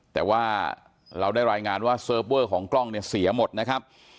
แต่ว่าเราได้รายงานว่าเซิร์ฟเวอร์ของกล้องเนี่ยเสียหมดนะครับ